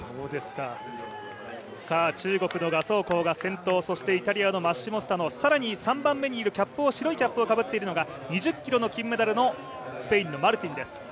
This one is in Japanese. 中国の賀相紅が先頭そしてイタリアのマッシモ・スタノ更に３番目にいる白いキャップをかぶっているのが２０ｋｍの金メダルのスペインのマルティンです。